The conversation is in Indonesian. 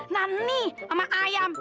nah nih sama ayam